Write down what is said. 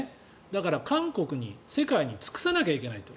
だから韓国に、世界に尽くさなきゃいけないと。